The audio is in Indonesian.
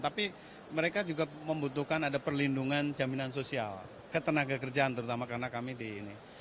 tapi mereka juga membutuhkan ada perlindungan jaminan sosial ketenaga kerjaan terutama karena kami di ini